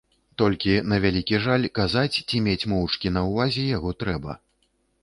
Толькі, на вялікі жаль, казаць ці мець моўчкі на ўвазе яго трэба.